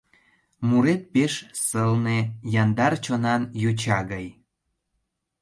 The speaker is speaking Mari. Мурет пеш сылне, яндар чонан йоча гай.